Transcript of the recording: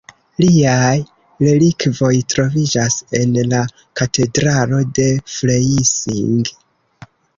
Liaj relikvoj troviĝas en la katedralo de Freising.